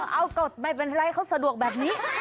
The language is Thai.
เอากดไม่เป็นไรเขาสะดวกแบบนี้